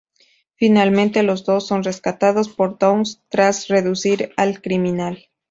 Finalmente, los dos son rescatados por Downs tras reducir al criminal.